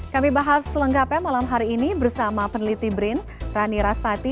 kami bahas selengkapnya malam hari ini bersama peneliti brin rani rastati